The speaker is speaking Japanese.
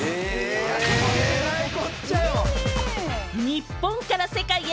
日本から世界へ！